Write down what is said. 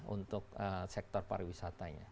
untuk sektor pariwisatanya